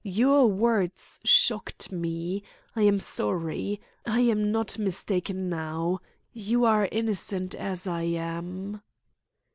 Your words shocked me. I am sorry. I am not mistaken now. You are innocent as I am."